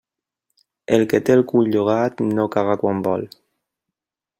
El que té el cul llogat no caga quan vol.